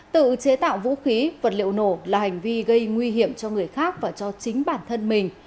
tự chế tạo vũ khí vật liệu nổ là hành vi gây nguy hiểm cho người khác và cho chính bản thân mình